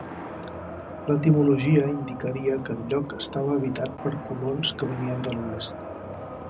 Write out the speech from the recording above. L'etimologia indicaria que el lloc estava habitat per colons que venien de l'oest.